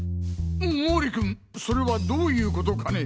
毛利君それはどういうことかね？